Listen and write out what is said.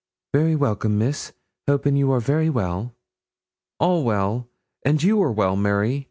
'Very welcome, Miss, hoping you are very well.' 'All well, and you are well, Mary?